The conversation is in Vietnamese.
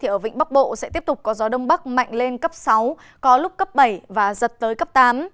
ở vịnh bắc bộ sẽ tiếp tục có gió đông bắc mạnh lên cấp sáu có lúc cấp bảy và giật tới cấp tám